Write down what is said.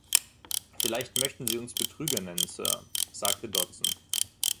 „Vielleicht möchten Sie uns Betrüger nennen, Sir“, sagte Dodson.